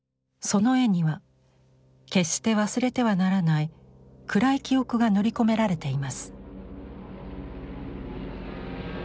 その絵には決して忘れてはならない暗い記憶が塗り込められています。